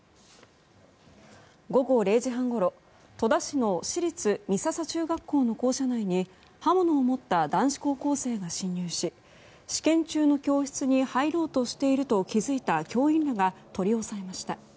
午後０時半ごろ、戸田市の市立美笹中学校の校舎内に刃物を持った男子高校生が侵入し試験中の教室に入ろうとしていると気づいた教員らが取り押さえました。